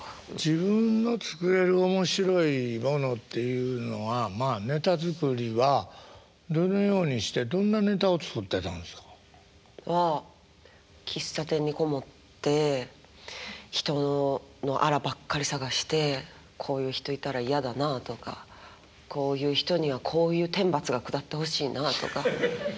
自分の作れる面白いものっていうのはまあネタ作りはどのようにしてどんなネタを作ってたんですか？は喫茶店に籠もって人のあらばっかり探して「こういう人いたら嫌だなあ」とか「こういう人にはこういう天罰が下ってほしいなあ」とか。